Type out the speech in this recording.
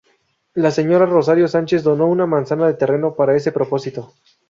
La señora Rosario Sánchez donó una manzana de terreno para ese propósito.